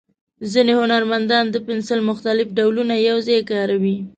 ځینې هنرمندان د پنسل مختلف ډولونه یو ځای کاروي.